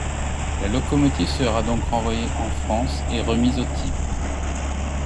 La locomotive sera donc renvoyée en France et remise au type.